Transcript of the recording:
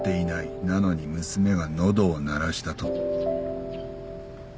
なのに娘が喉を鳴らしたと。